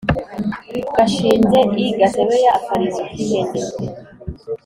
Gashinze i Gasebeya-Akarizo k'ihene.